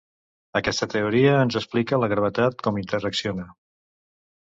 Aquesta teoria ens explica la gravetat, com interacciona.